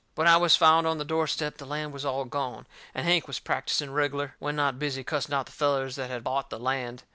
But when I was found on the door step, the land was all gone, and Hank was practising reg'lar, when not busy cussing out the fellers that had bought the land.